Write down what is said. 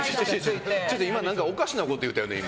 今、何かおかしなこと言ったよね。